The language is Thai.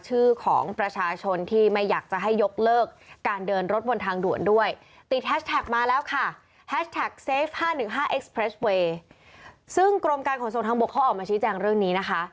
ซึ่งกรมการขนส่งทางบกเขาออกมาชี้แจงเรื่องนี้นะคะ